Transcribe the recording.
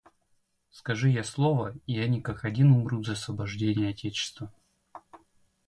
Скажи я слово и они как один умрут за освобождение отечества.